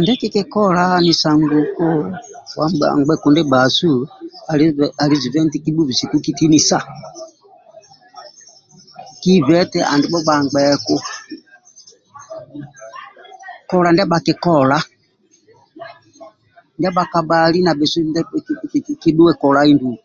Ndyekikikola hanisa ngu bha mbgeku ndi bhasu alijibha nti kibhubhisiku kitinisa kihibhe eti andibho bhambgeku kola ndia bhakikola ndyabhakabhali nabhesu kidhuwe kolai ndulu